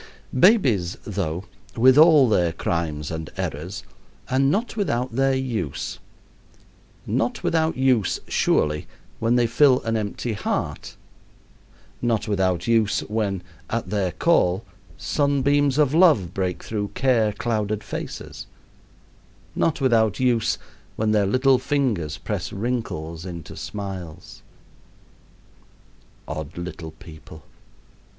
Babies, though, with all their crimes and errors, are not without their use not without use, surely, when they fill an empty heart; not without use when, at their call, sunbeams of love break through care clouded faces; not without use when their little fingers press wrinkles into smiles. Odd little people!